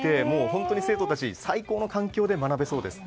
本当に生徒たちは最高の環境で学べそうです。